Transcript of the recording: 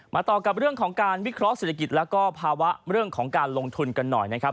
ต่อกับเรื่องของการวิเคราะห์เศรษฐกิจแล้วก็ภาวะเรื่องของการลงทุนกันหน่อยนะครับ